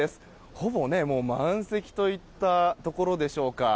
ほぼ満席といったところでしょうか。